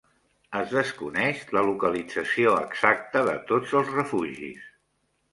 Es desconeix la localització exacta de tots els refugis.